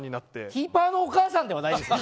キーパーのお母さんではないですよ。